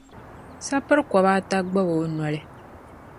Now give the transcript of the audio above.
sapir’ kɔba ata gbab’ o noli.